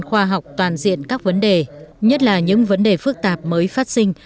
khoa học toàn diện các vấn đề nhất là những vấn đề phức tạp mới phát sinh